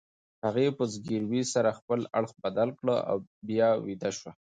هغې په زګیروي سره خپل اړخ بدل کړ او بیا ویده شوه.